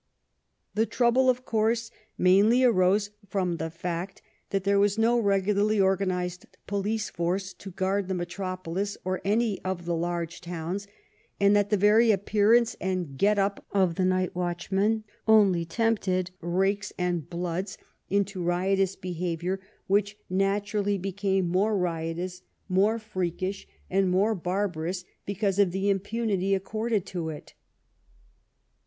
206 THE LONDON OF QUEEN ANNE The trouble, of course, mainly arose from the fact that there was no regularly organized police force to guard the metropolis or any of the large towns, and that the very appearance and get up of the night watch men only tempted young " rakes '' and " bloods " into riotous behavior, which naturally became more riotous, more freakish, and more barbarous because of the im punity accorded to it.